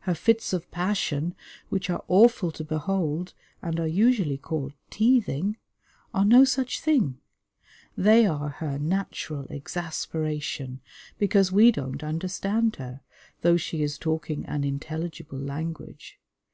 Her fits of passion, which are awful to behold, and are usually called teething, are no such thing; they are her natural exasperation, because we don't understand her, though she is talking an intelligible language.